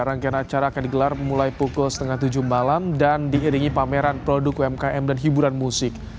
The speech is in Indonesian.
rangkaian acara akan digelar mulai pukul setengah tujuh malam dan diiringi pameran produk umkm dan hiburan musik